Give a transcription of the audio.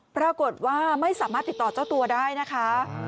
ปรากฏว่าไม่สามารถติดต่อเจ้าตัวได้นะคะ